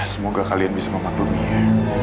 semoga kalian bisa memandumi ya